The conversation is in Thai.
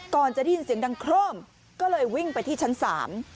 ก่อนจะได้ยินเสียงดังโคร่มก็เลยวิ่งไปที่ชั้นสาม